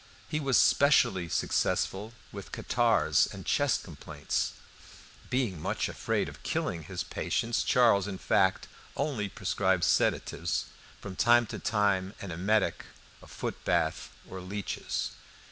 He was specially successful with catarrhs and chest complaints. Being much afraid of killing his patients, Charles, in fact only prescribed sedatives, from time to time and emetic, a footbath, or leeches.